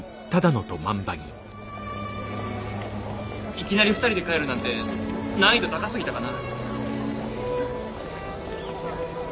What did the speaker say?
いきなり２人で帰るなんて難易度高すぎたかな。